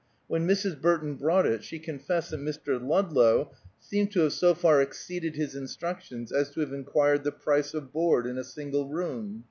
When Mrs. Burton brought it she confessed that Mr. Ludlow seemed to have so far exceeded his instructions as to have inquired the price of board in a single room.